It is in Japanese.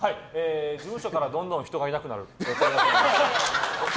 事務所からどんどん人がいなくなると。